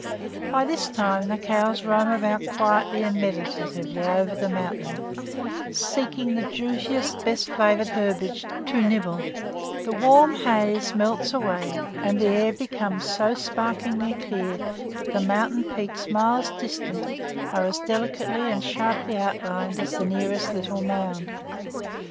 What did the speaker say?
By this time the cows roam about quietly and meditatively over the mountain, seeking the juiciest, best flavored herbage to nibble; the warm haze melts away and the air becomes so sparklingly clear that mountain peaks miles distant are as delicately and sharply outlined as the nearest little mound.